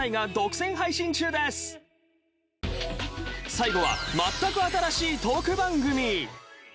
最後はまったく新しいトーク番組。